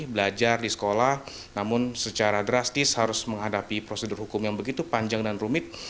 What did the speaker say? belajar di sekolah namun secara drastis harus menghadapi prosedur hukum yang begitu panjang dan rumit